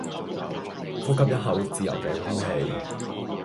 呼吸一口自由既空氣